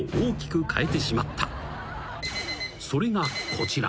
［それがこちら］